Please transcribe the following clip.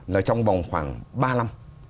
là trong vòng khoảng ba năm